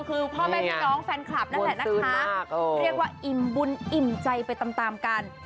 คือพ่อแม่พี่น้องแฟนคลับนั่นแหละนะคะเรียกว่าอิ่มบุญอิ่มใจไปตามกัน